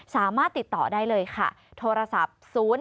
สามารถติดต่อได้เลยค่ะโทรศัพท์๐๘๗๓๓๑๕๔๒๑